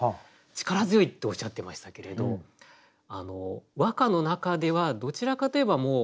「力強い」っておっしゃってましたけれど和歌の中ではどちらかといえば魂の象徴。